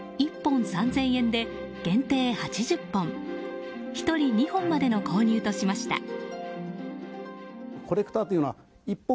１本３０００円で限定８０本１人２本までの購入としました。